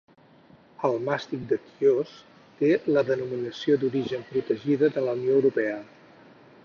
El màstic de Quios té la Denominació d'origen protegida de la Unió Europea.